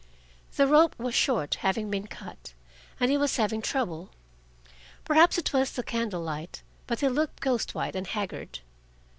The rope was short, having been cut, and he was having trouble. Perhaps it was the candle light, but he looked ghost white and haggard.